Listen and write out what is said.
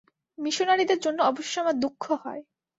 মিশনরীদের জন্য অবশ্য আমার দুঃখ হয়।